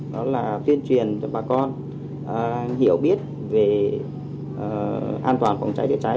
đó là tuyên truyền cho bà con hiểu biết về an toàn phòng cháy chữa cháy